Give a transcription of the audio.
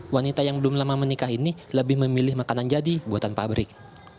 wanita yang belum lama menikah ini lebih memilih makanan jadi buatan pabrik